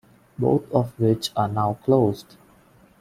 Both of which are now closed.